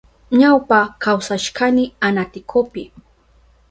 Ñawpa kawsashkani Anaticopi.